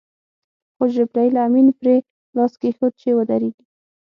خو جبرائیل امین پرې لاس کېښود چې ودرېږي.